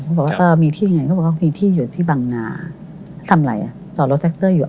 บอกว่าก็มีที่ไงเขาบอกว่ามีที่อยู่ที่บังนาทำอะไรอ่ะจอดรถแท็กเตอร์อยู่